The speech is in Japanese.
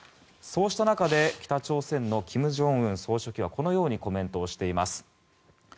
そうした中で北朝鮮の金正恩総書記はこのようにコメントをしています